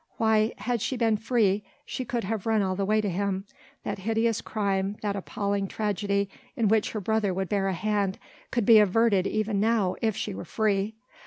Why! had she been free she could have run all the way to him that hideous crime, that appalling tragedy in which her brother would bear a hand, could be averted even now if she were free!